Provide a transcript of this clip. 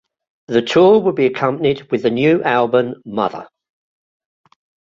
The tour will be accompanied with the new album "Mother".